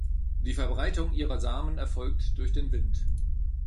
Die Verbreitung ihrer Samen erfolgt durch den Wind.